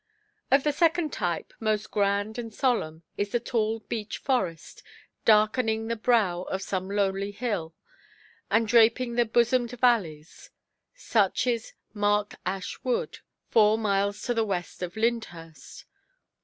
Of the second type, most grand and solemn, is the tall beech–forest, darkening the brow of some lonely hill, and draping the bosomed valleys. Such is Mark Ash Wood, four miles to the west of Lyndhurst.